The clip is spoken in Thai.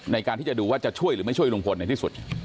ในการที่จะดูว่าจะช่วยหรือไม่ช่วยลุงพลในที่สุด